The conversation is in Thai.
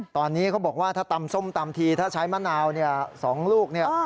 ตอนนี้เขาบอกว่าถ้าตำส้มตำทีถ้าใช้มะนาว๒ลูกเนี่ย